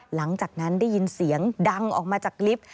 หลังจากนั้นได้ยินเสียงดังออกมาจากลิฟต์